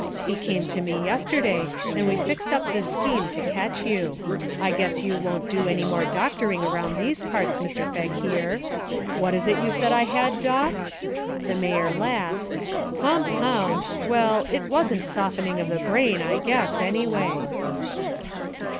He came to me yesterday and we fixed up this scheme to catch you. I guess you won't do any more doctoring 256 The Amazing Genius of O. Henry around these parts, Mr. Fakir. What was it you said I had, Doc?' the Mayor laughs, 'com pound — well, it wasn't softening of the brain, I guess, anyway.'